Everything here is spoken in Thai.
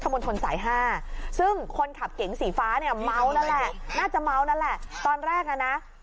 บนถนนสาย๕ซึ่งคนขับเก๋งสีฟ้าเนี่ยเมานั่นแหละน่าจะเมานั่นแหละตอนแรกอ่ะนะ